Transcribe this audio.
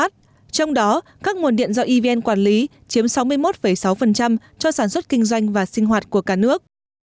trong đó các nguồn điện do evn quản lý chiếm sáu mươi một sáu cho sản xuất kinh doanh và sinh hoạt của cả nước